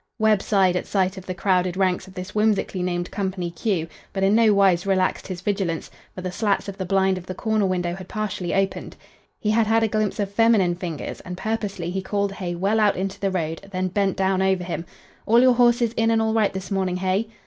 Webb sighed at sight of the crowded ranks of this whimsically named "Company Q," but in no wise relaxed his vigilance, for the slats of the blind of the corner window had partially opened. He had had a glimpse of feminine fingers, and purposely he called Hay well out into the road, then bent down over him: "All your horses in and all right, this morning, Hay?"